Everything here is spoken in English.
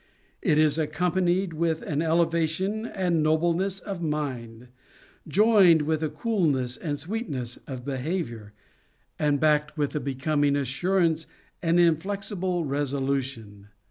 It is accompanied with an elevation and nobleness of mind, joined with a coolness and sweetness of behavior, and backed with a becoming assurance and inflexible resolu tion.